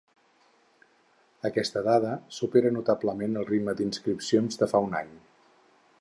Aquesta dada supera notablement el ritme d’inscripcions de fa un any.